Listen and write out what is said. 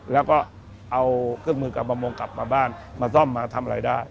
แล้วก็เอาเครื่องมือกับประมงกลับมาบ้านมาซ่อมมาทำอะไรได้